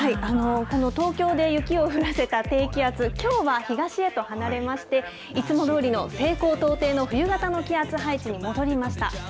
この東京で雪を降らせた低気圧、きょうは東へと離れまして、いつもどおりの西高東低の冬型の気圧配置に戻りました。